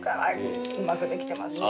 うまくできてますね。